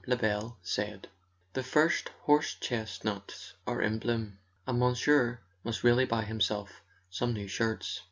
Lebel said: "The first horse chest¬ nuts are in bloom. And monsieur must really buy himself some new shirts."